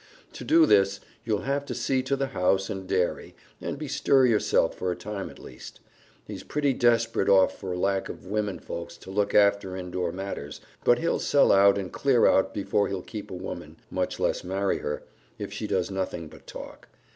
To do this, you'll have to see to the house and dairy, and bestir yourself for a time at least. He's pretty desperate off for lack of women folks to look after indoor matters, but he'll sell out and clear out before he'll keep a woman, much less marry her, if she does nothing but talk.